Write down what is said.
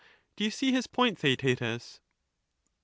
Do you see his point, Theaetetus ?